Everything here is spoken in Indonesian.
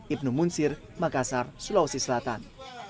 ibnu munsir makassar sulawesi selatan